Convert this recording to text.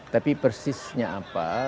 tapi persisnya apa